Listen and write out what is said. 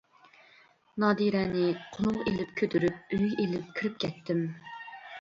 نادىرەنى قۇلۇمغا ئېلىپ كۆتۈرۈپ ئۆيگە ئېلىپ كىرىپ كەتتىم.